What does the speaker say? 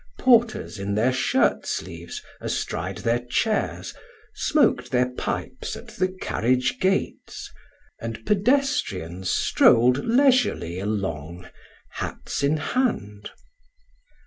Porters in their shirt sleeves, astride their chairs, smoked their pipes at the carriage gates, and pedestrians strolled leisurely along, hats in hand.